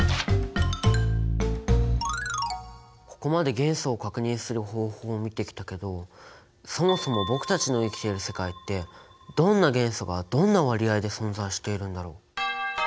ここまで元素を確認する方法を見てきたけどそもそも僕たちの生きてる世界ってどんな元素がどんな割合で存在しているんだろう？